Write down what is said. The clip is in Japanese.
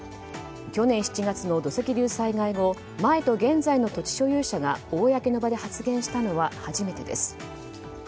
去年７月の土石流災害後前と現在の土地所有者が公の場で発言したのは初めてです。